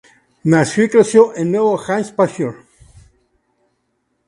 Nació y creció en Nuevo Hampshire.